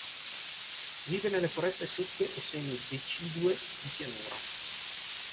Vive nelle foreste secche e semi-decidue di pianura.